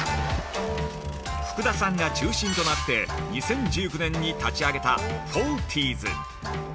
◆福田さんが中心となって２０１９年に立ち上げた「フォーティーズ」